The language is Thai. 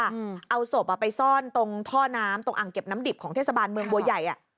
เอาศพอ่ะไปซ่อนตรงท่อน้ำตรงอ่างเก็บน้ำดิบของเทศบาลเมืองบัวใหญ่อ่ะ